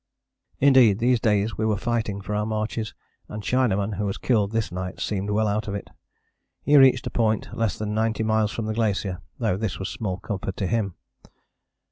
Indeed these days we were fighting for our marches, and Chinaman who was killed this night seemed well out of it. He reached a point less than 90 miles from the glacier, though this was small comfort to him.